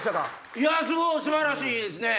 いや素晴らしいですね。